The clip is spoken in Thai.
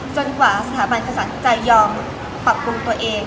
กว่าสถาบันกษาวิจัยยอมปรับปรุงตัวเอง